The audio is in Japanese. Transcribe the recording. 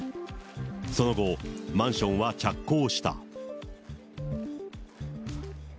その後、マンションは着工した。